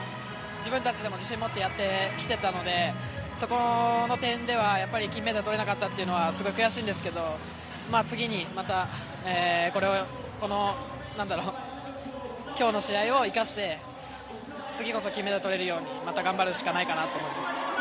自分たちでも自信を持ってやってきていたのでそこの点では金メダルをとれなかったのはすごい悔しいんですけど次にまたこの今日の試合を生かして次こそ金メダルをとれるように頑張るしかないと思います。